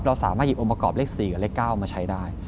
เราสามารถหยิบองค์ประกอบเลข๔กับเลข๙มาใช้ได้